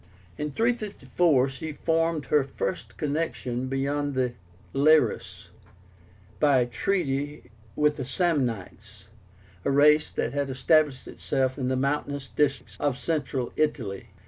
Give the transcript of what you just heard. In 354 she formed her first connections beyond the Liris, by a treaty with the SAMNITES, a race that had established itself in the mountainous districts of Central Italy.